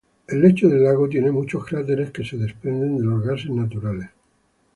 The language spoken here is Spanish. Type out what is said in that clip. El lecho del lago tiene muchos cráteres que se desprenden de los gases naturales.